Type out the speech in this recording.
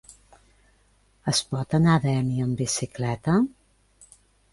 Es pot anar a Dénia amb bicicleta?